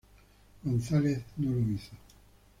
González no lo hizo.